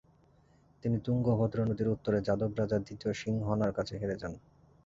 তিনি তুঙ্গভদ্র নদীর উত্তরে যাদব রাজা দ্বিতীয় সিংহনার কাছে হেরে যান।